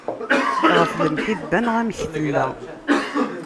Ɣef lemḥibba neɣ amek tella.